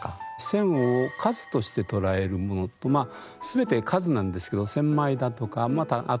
「千」を数として捉えるものとまあ全て数なんですけど「千枚田」とかまたあとにも出てきます